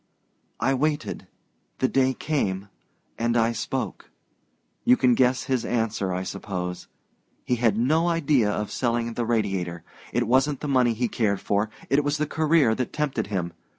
"I waited the day came, and I spoke. You can guess his answer, I suppose. He had no idea of selling the Radiator. It wasn't the money he cared for it was the career that tempted him.